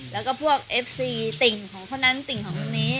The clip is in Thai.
และที่พวกและเอฟซีติ่งของคนนั้นติ่งของวนี้